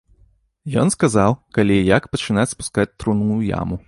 Ён сказаў, калі і як пачынаць спускаць труну ў яму.